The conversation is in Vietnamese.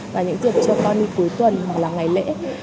và những dịp cho con đi cuối tuần hoặc là ngày lễ